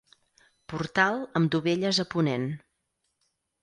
Portal amb dovelles a ponent.